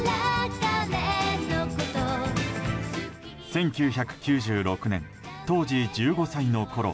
１９９６年、当時１５歳のころ